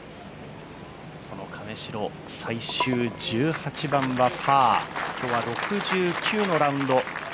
その亀代、最終１８番はパー今日は６９のラウンド。